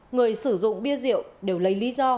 người sử dụng bia rượu đều lấy lý do